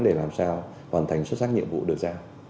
để làm sao hoàn thành xuất sắc nhiệm vụ được giao